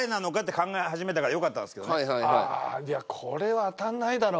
いやこれは当たらないだろ。